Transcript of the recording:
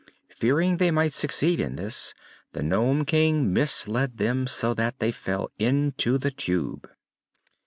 Fearing they might succeed in this, the Nome King misled them so that they fell into the Tube.